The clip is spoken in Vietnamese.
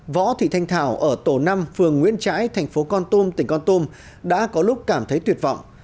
võ thị thanh thảo ở tổ năm phường nguyễn trãi thành phố con tum tỉnh con tum đã có lúc cảm thấy tuyệt vọng